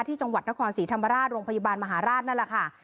ที่จังหวัดนครศรีธรรมราชโรงพยาบาลมหาราชนั่นแหละค่ะ